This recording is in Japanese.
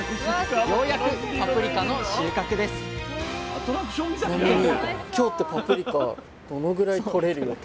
ようやくパプリカの収穫ですでも！